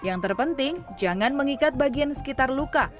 yang terpenting jangan mengikat bagian sekitar luka